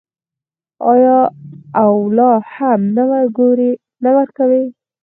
آیا او لا هم نه ورکوي؟